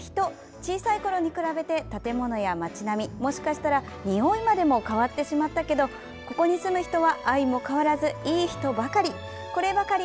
小さいころに比べて建物や町並みもしかしたら、においまでも変わってしまったけどここに住む人は相も変わらずいい人ばかり。